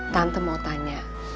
tante mau tanya